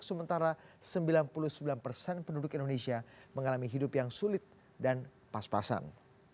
sementara sembilan puluh sembilan persen penduduk indonesia mengalami hidup yang sulit dan pas pasan